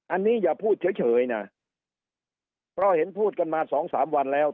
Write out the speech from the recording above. อันนี้อย่าพูดเฉยนะเพราะเห็นพูดกันมาสองสามวันแล้ว